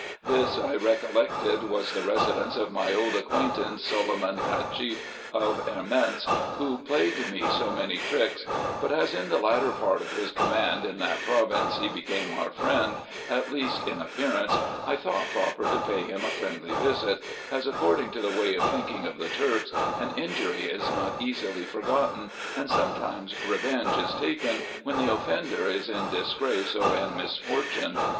This I recollected was the residence of my old acquaintance Soliman Cacheffof Erments, who played me so many tricks ; but as in the latter part of his command in that province he became our friend, at least in appearance, I thought proper to pay him a friendly visit, as, according to the way of thinking of the Turks, an injury is not easily forgotten, and sometimes revenge is taken, when the offender is in disgrace or in misfortune.